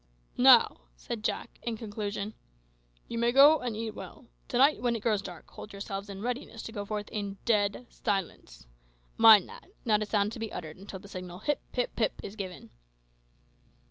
"Now," said Jack in conclusion, "you may go and eat well. To night, when it grows dark, hold yourselves in readiness to go forth in dead silence. Mind that: not a sound to be uttered until the signal, `Hip, hip, hip!' is given."